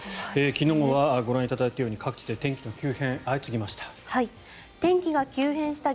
昨日はご覧いただいたように各地で天気の急変相次ぎました。